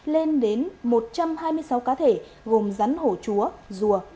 lên đến một trăm hai mươi sáu cá thể gồm rắn hổ chúa rùa